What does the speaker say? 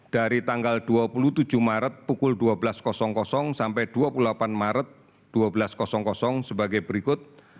dari tanggal dua puluh tujuh maret pukul dua belas sampai dua puluh delapan maret dua belas sebagai berikut